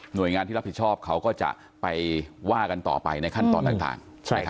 โดยงานที่รับผิดชอบเขาก็จะไปว่ากันต่อไปในขั้นตอนต่าง